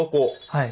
はい。